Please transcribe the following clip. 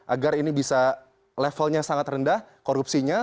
agar ini bisa levelnya sangat rendah korupsinya